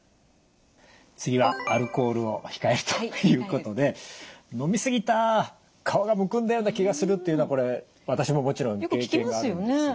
次はアルコールを控えるということで飲み過ぎた顔がむくんだような気がするというのはこれ私ももちろん経験があるんですが。